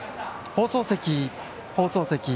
放送席、放送席。